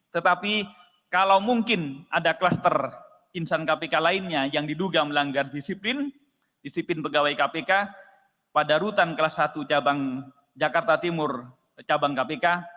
tetapi kalau mungkin ada kluster insan kpk lainnya yang diduga melanggar disiplin disiplin pegawai kpk pada rutan kelas satu jakarta timur cabang kpk